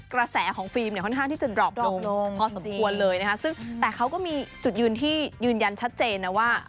กระแสของฟิล์มเนี่ยค่อนข้างที่จะดรอปลงพอสมควรเลยนะคะซึ่งแต่เขาก็มีจุดยืนที่ยืนยันชัดเจนนะว่า